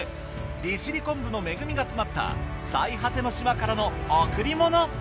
利尻昆布の恵みが詰まった最果ての島からの贈り物。